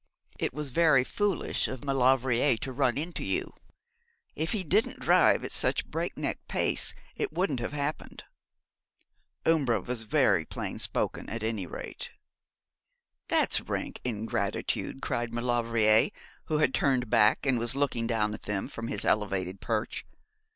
'It was very foolish of Maulevrier to run into you. If he didn't drive at such a break neck pace it wouldn't have happened.' Umbra was very plain spoken, at any rate. 'There's rank ingratitude,' cried Maulevrier, who had turned back, and was looking down at them from his elevated perch.